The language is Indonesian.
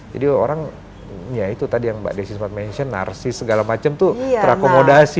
jadi orang ya itu tadi yang mbak desy sempat mention narsis segala macam tuh terakomodasi